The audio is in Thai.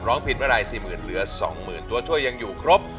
ร้องผิดเมื่อไร๔๐๐๐เหลือ๒๐๐๐ตัวช่วยยังอยู่ครบ